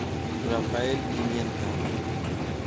Rafael Pimienta.